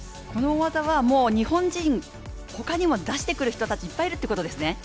この技は日本人ほかにも出してくる人いっぱいいるということですね？